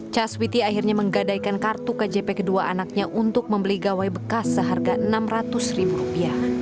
caswiti akhirnya menggadaikan kartu kjp kedua anaknya untuk membeli gawai bekas seharga rp enam ratus